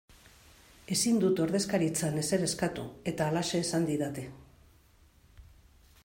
Ezin dut ordezkaritzan ezer eskatu eta halaxe esan didate.